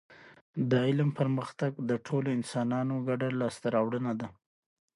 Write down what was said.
د علم پرمختګ د ټولو انسانانو ګډه لاسته راوړنه ده